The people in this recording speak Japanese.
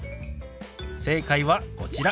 正解はこちら。